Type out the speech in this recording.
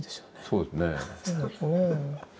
そうですね。